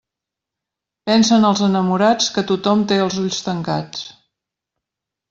Pensen els enamorats que tothom té els ulls tancats.